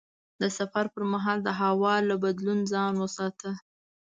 د سفر پر مهال د هوا له بدلون ځان وساته.